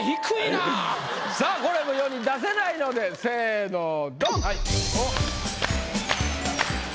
さあこれも世に出せないのでせぇのドン！